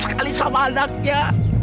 sekali sama anaknya